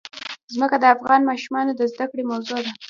ځمکه د افغان ماشومانو د زده کړې موضوع ده.